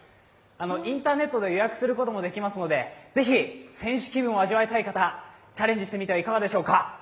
インターネットで予約することもできますのでぜひ選手気分を味わいたい方、チャレンジしてみてはいかがでしょうか。